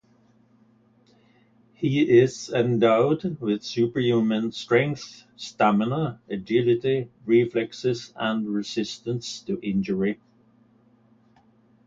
He is endowed with superhuman strength, stamina, agility, reflexes, and resistance to injury.